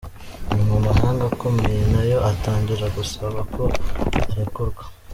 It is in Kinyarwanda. Nyuma amahanga akomeye nayo atangira gusaba ko arekurwa.